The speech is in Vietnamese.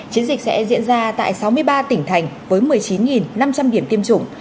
chiến dịch sẽ diễn ra tại sáu mươi ba tỉnh thành với một mươi chín năm trăm linh điểm tiêm chủng